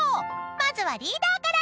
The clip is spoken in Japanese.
［まずはリーダーから］